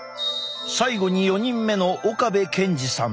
最後に４人目の岡部賢治さん。